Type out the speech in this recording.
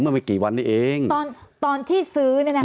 ไม่กี่วันนี้เองตอนตอนที่ซื้อเนี่ยนะ